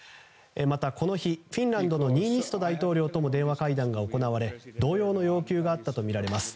また、この日フィンランドのニーニスト大統領とも電話会談が行われ同様の要求があったとみられます。